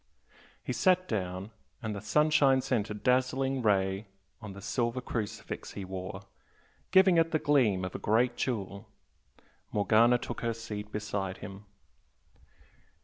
He sat down, and the sunshine sent a dazzling ray on the silver crucifix he wore, giving it the gleam of a great jewel. Morgana took her seat beside him.